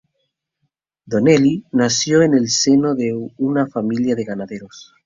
Donnelly nació en el seno de una familia de ganaderos.